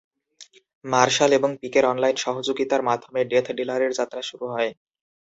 Martial এবং পিকের online সহযোগিতার মাধ্যমে ডেথ ডিলারের যাত্রা শুরু হয়।